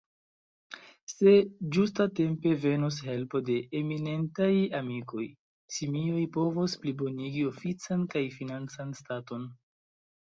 Se ĝustatempe venos helpo de eminentaj amikoj, Simioj povos plibonigi ofican kaj financan staton.